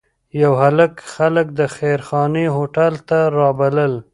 یو هلک خلک د خیرخانې هوټل ته رابلل.